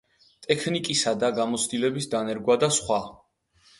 ტექნიკისა და გამოცდილების დანერგვა და სხვა.